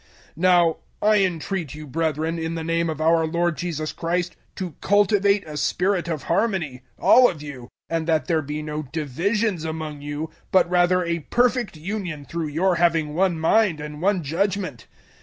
001:010 Now I entreat you, brethren, in the name of our Lord Jesus Christ, to cultivate a spirit of harmony all of you and that there be no divisions among you, but rather a perfect union through your having one mind and one judgement.